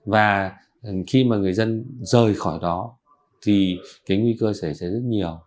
và khi mà người dân rơi khỏi đó thì cái nguy cơ sẽ rất nhiều